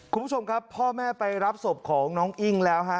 คุณผู้ชมครับพ่อแม่ไปรับศพของน้องอิ้งแล้วฮะ